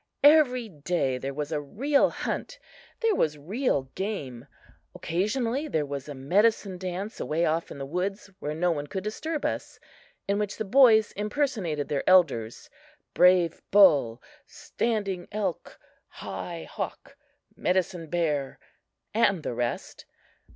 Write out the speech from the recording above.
Every day there was a real hunt. There was real game. Occasionally there was a medicine dance away off in the woods where no one could disturb us, in which the boys impersonated their elders, Brave Bull, Standing Elk, High Hawk, Medicine Bear, and the rest.